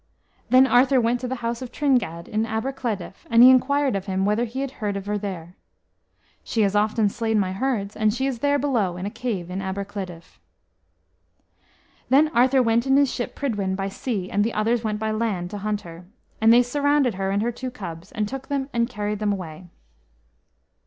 Then Arthur went to the house of Tringad, in Aber Cleddyf, and he inquired of him whether he had heard of her there. "She has often slain my herds, and she is there below in a cave in Aber Cleddyf." Ther Arthur went in his ship Prydwen by sea, and the others went by land to hunt her. And they surrounded her and her two cubs, and took them and carried them away.